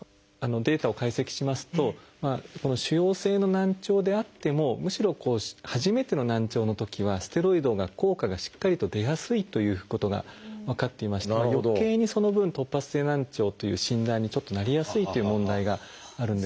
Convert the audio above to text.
データを解析しますと腫瘍性の難聴であってもむしろ初めての難聴のときはステロイドが効果がしっかりと出やすいということが分かっていましてよけいにその分突発性難聴という診断にちょっとなりやすいっていう問題があるんですね。